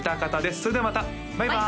それではまたバイバーイ！